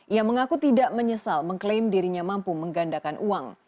ia mengaku tidak menyesal mengklaim dirinya mampu menggandakan uang